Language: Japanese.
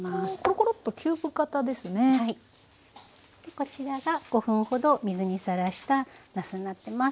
こちらが５分ほど水にさらしたなすになってます。